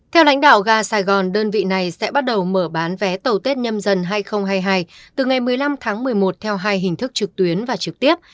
theo lãnh đạo ga sài gòn đơn vị này sẽ bắt đầu mở bán vé tàu tết nhâm dần hai nghìn hai mươi hai từ ngày một mươi năm tháng một mươi một theo hai hình thức trực tuyến và trực tiếp